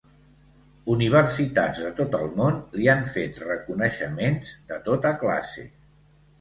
Universitats de tot el món li han fet reconeixements de tota classe.